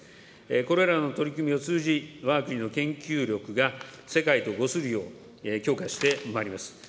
これらの取り組みを通じ、わが国の研究力が世界とごするよう強化してまいります。